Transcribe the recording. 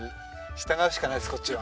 従うしかないですこっちは。